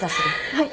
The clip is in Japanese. はい。